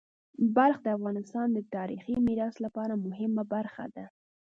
بلخ د افغانستان د تاریخی میراث لپاره مهمه برخه ده.